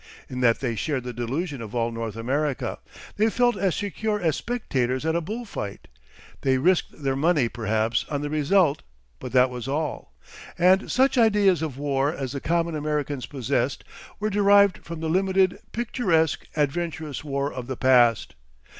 In that they shared the delusion of all North America. They felt as secure as spectators at a bullfight; they risked their money perhaps on the result, but that was all. And such ideas of war as the common Americans possessed were derived from the limited, picturesque, adventurous war of the past.